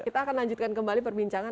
kita akan lanjutkan kembali perbincangan